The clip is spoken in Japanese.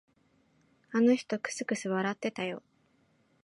あの人、くすくす笑ってたよ。